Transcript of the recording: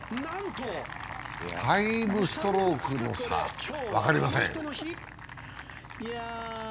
５ストロークの差、分かりません。